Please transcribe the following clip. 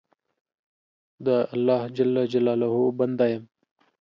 د الله جل جلاله بنده یم.